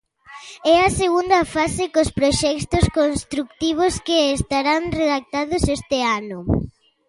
E a segunda fase cos proxectos construtivos, que estarán redactados este ano.